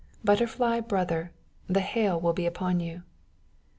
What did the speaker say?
Butterfly brother, the hail will be upon you."